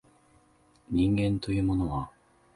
人間というものは